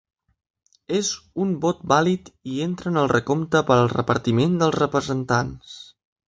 És un vot vàlid i entra en el recompte per al repartiment de representants.